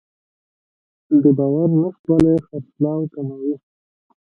د باور نشتوالی خرڅلاو کموي.